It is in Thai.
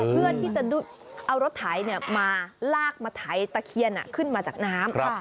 เพื่อที่จะเอารถไถมาลากมาไถตะเคียนขึ้นมาจากน้ำ